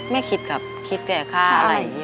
ไม่คิดครับคิดแค่ค่าอะไร